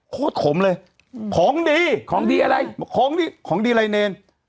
โคตรขมเลยของดีของดีอะไรของดีของดีอะไรเนร